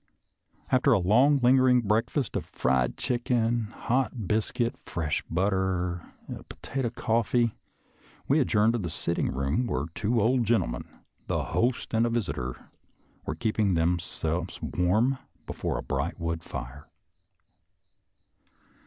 After a long, lingering breakfast of fried chicken, hot biscuit, fresh butter, and potato coffee, we adjourned to the sitting room, where two old gentlemen — the host and a visitor — were keeping themselves warm before a bright wood fire.